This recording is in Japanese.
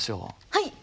はい。